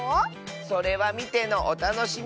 それはみてのおたのしみ！